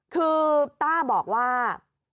คือต้าบอกว่า